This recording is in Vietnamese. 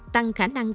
tăng khả năng